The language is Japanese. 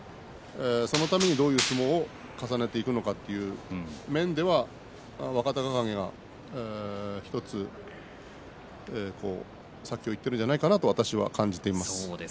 そのためにどういう相撲を重ねていくのかという面では若隆景が１つ先をいっているんじゃないかなと私は感じています。